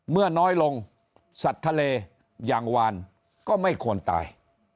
เมื่อน้อยลงสัตว์ทะเลอย่างวานก็ไม่ควรตาย